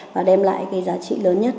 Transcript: và đem lại giá trị lớn nhất